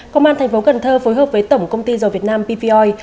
công an tp cn phối hợp với tổng công ty giò việt nam pvoi